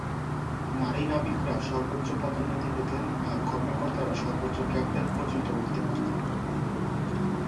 নারী নাবিকরা সর্বোচ্চ পদোন্নতি পেতেন আর কর্মকর্তারা সর্বোচ্চ ক্যাপ্টেন পর্যন্ত উঠতে পারতেন।